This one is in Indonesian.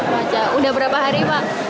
waca udah berapa hari pak